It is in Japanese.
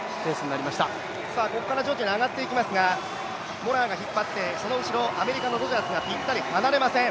ここから徐々に上がっていきますが、モラアが引っ張ってその後ろ、アメリカのロジャースがぴったり離れません。